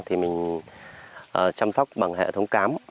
thì mình chăm sóc bằng hệ thống cám